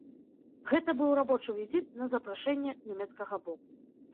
Гэта быў рабочы візіт на запрашэнне нямецкага боку.